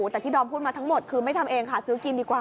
แต่ที่ดอมพูดมาทั้งหมดคือไม่ทำเองค่ะซื้อกินดีกว่า